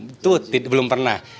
itu belum pernah